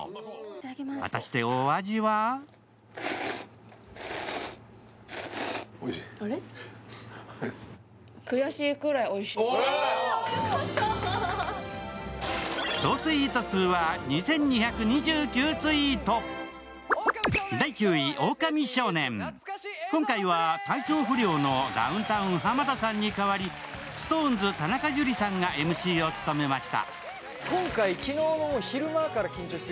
果たして、お味は今回は、体調不良のダウンタウン・浜田さんに代わりＳｉｘＴＯＮＥＳ、田中樹さんがＭＣを務めました。